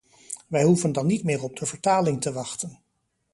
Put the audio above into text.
Wij hoeven dan niet meer op de vertaling te wachten.